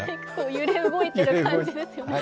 揺れ動いてる感じですね。